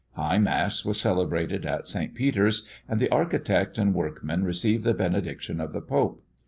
High mass was celebrated at St. Peter's, and the architect and workmen received the benediction of the Pope.